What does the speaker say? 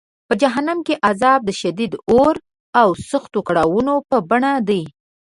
په جهنم کې عذاب د شدید اور او سختو کړاوونو په بڼه دی.